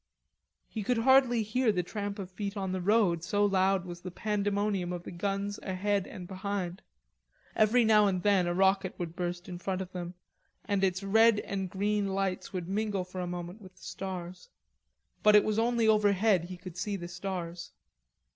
He could hardly hear the tramp of feet on the road, so loud was the pandemonium of the guns ahead and behind. Every now and then a rocket would burst in front of them and its red and green lights would mingle for a moment with the stars. But it was only overhead he could see the stars.